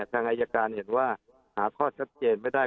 ทางอายการเห็นว่าหาข้อชัดเจนไม่ได้